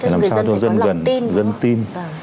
làm sao cho dân gần dân tin